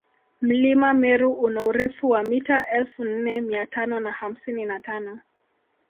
mlima meru una urefu wa mita elfu nne miatano na hamsini na tano